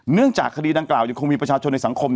เนื่องจากคดีดังกล่ายังคงมีประชาชนในสังคม